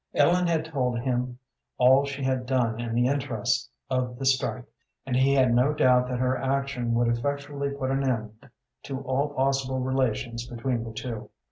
Ellen had told him all she had done in the interests of the strike, and he had no doubt that her action would effectually put an end to all possible relations between the two.